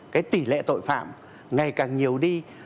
cái tỷ lệ tội phạm ngày càng nhiều đi